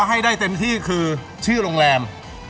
อ่าบอกแค่ชื่อโรงแรม